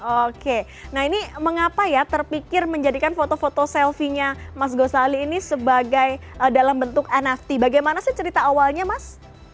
oke nah ini mengapa ya terpikir menjadikan foto foto selfie nya mas gosali ini sebagai dalam bentuk nft bagaimana sih cerita awalnya mas